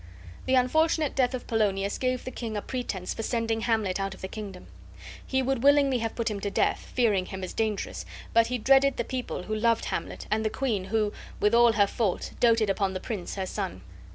The unfortunate death of Polonius gave the king a pretense for sending Hamlet out of the kingdom. He would willingly have put him to death, fearing him as dangerous; but he dreaded the people, who loved Hamlet, and the queen, who, with all her faults, doted upon the prince, her son.